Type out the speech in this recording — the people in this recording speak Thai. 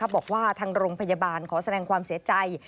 บอกว่าทางโรงพยาบาลขอแสดงความเสียใจ